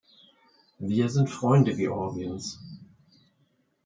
Wir sind Freunde Georgiens.